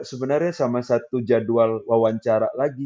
sebenarnya sama satu jadwal wawancara lagi